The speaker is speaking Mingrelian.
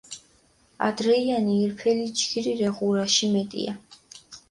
ადრეიანი ირფელი ჯგირი რე ღურაში მეტია.